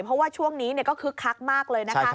เพราะว่าช่วงนี้ก็คึกคักมากเลยนะคะ